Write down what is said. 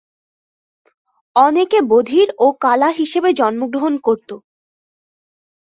অনেকে বধির ও কালা হিসেবে জন্মগ্রহণ করত।